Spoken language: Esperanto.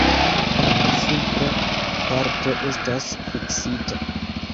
La malsupra parto estas fiksita.